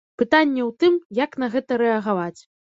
Пытанне ў тым, як на гэта рэагаваць.